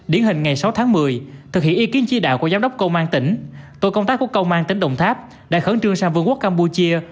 điển hình ngày sáu tháng một mươi thực hiện ý kiến chỉ đạo của giám đốc công an tỉnh tội công tác của công an tỉnh đồng tháp đã khẩn trương sang vương quốc campuchia